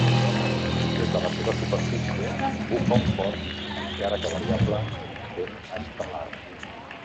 Des de la seva superfície bufa un fort encara que variable vent estel·lar.